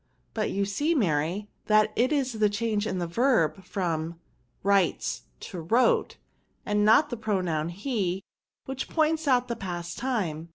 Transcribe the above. '* But you see, Mary, that it is the change in the verb, from writes to wrote, and not the pronoun he, which points out the past time.